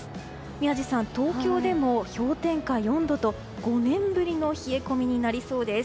宮司さん、東京でも氷点下４度と５年ぶりの冷え込みになりそうです。